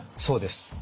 そうです。